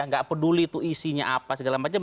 nggak peduli itu isinya apa segala macam